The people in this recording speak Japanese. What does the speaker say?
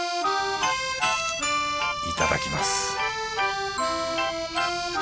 いただきます